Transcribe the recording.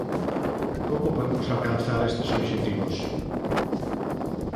¿Como podemos alcanzar estes obxectivos?